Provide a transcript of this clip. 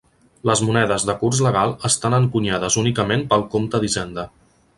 Les monedes de curs legal estan encunyades únicament pel compte d'Hisenda.